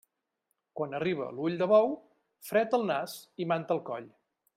Quan arriba l'ull de bou, fred al nas i manta al coll.